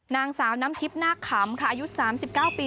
นางสาวน้ำทิพย์นาคขำค่ะอายุ๓๙ปี